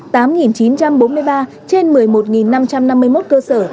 trên một mươi một năm trăm năm mươi một cơ sở